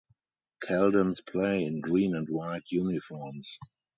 Caldense play in green and white uniforms.